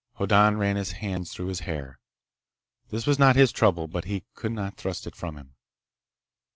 Hoddan ran his hands through his hair. This was not his trouble, but he could not thrust it from him.